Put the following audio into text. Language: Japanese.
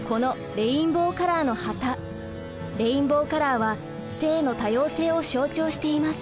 レインボーカラーは性の多様性を象徴しています。